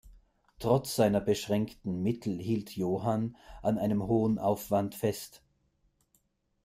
Trotz seiner beschränkten Mittel hielt Johann an einem hohen Aufwand fest.